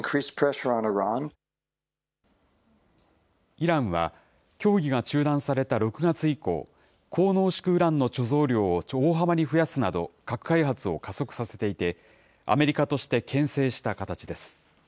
イランは、協議が中断された６月以降、高濃縮ウランの貯蔵量を大幅に増やすなど核開発を加速させていて、アメリカとしてけん制した形です。